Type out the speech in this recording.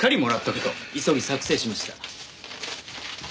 急ぎ作成しました。